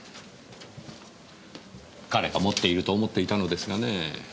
彼が持っていると思っていたのですがねぇ。